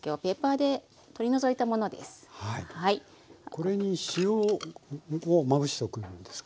これに塩をまぶしておくんですか？